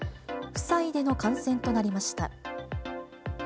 夫妻での感染となりました。